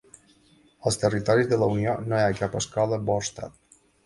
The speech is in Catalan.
Als territoris de la Unió no hi ha cap escola Borstal.